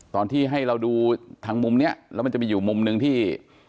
ตอนที่ให้เราดูทางมุมนี้แล้วมันจะมีอยู่มุมหนึ่งที่